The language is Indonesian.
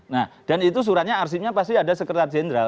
nah dan itu suratnya arsinya pasti ada sekretar jenderal